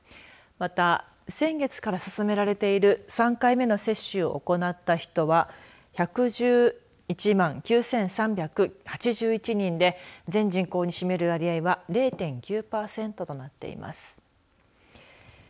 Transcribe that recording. また、先月から進められている３回目の接種を行った人は１１１万９３８１人で全人口に占める割合は０．９パーセントとなっています。